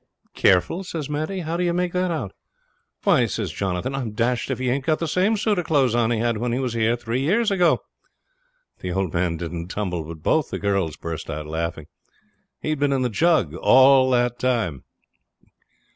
'Careful,' says Maddie. 'How do ye make that out?' 'Why,' says Jonathan, 'I'm dashed if he ain't got the same suit of clothes on he had when he was here three years ago.' The old man didn't tumble, but both the girls burst out laughing. He'd been in the jug all the time!